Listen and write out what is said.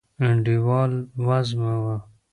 انډیوال وزمه و